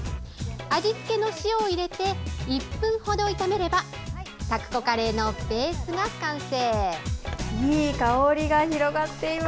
味つけの塩を入れて１分ほど炒めればタクコカレーのベースが完成。